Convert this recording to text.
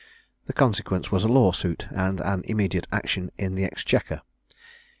The consequence was a lawsuit, and an immediate action in the Exchequer.